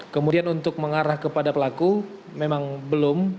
kemudian untuk mengarah kepada pelaku memang belum